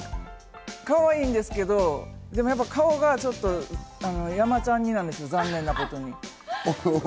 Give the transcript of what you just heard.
すごいかわいいんですけど、顔がちょっと山ちゃん似なんですよ、残念なことに。